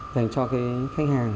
dành cho khách hàng